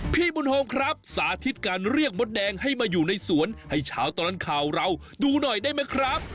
พี่บุญโฮมครับสาธิตการเรียกมดแดงให้มาอยู่ในสวนให้เช้าตลอดข่าวเราดูหน่อยได้ไหมครับ